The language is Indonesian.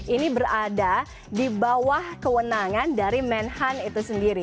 ini berada di bawah kewenangan dari menhan itu sendiri